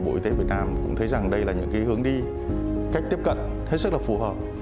bộ y tế việt nam cũng thấy rằng đây là những hướng đi cách tiếp cận hết sức là phù hợp